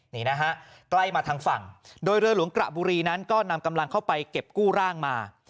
นี่นะฮะใกล้มาทางฝั่งโดยเรือหลวงกระบุรีนั้นก็นำกำลังเข้าไปเก็บกู้ร่างมา